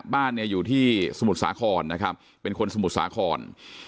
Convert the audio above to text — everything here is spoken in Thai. บ้านเนี่ยอยู่ที่สมุทรสาครนะครับเป็นคนสมุทรสาคร